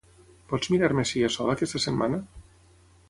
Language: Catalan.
Pots mirar-me si hi ha sol aquesta setmana?